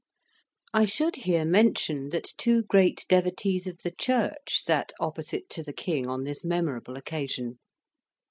I should here mention that two great devotees of the Church sat opposite to the King on this memorable occasion.